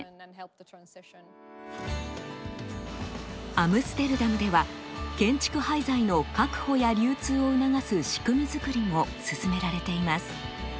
アムステルダムでは建築廃材の確保や流通を促す仕組み作りも進められています。